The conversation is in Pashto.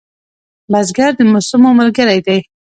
بزګر د موسمونو ملګری دی